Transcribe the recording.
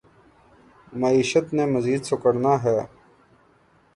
معیشت نے مزید سکڑنا ہے۔